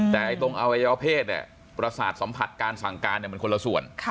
แต่ตรงอวัยวเพศประสาทสัมผัสการสั่งการมันคนละส่วน